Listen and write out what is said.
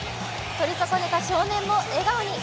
取り損ねた少年も笑顔に。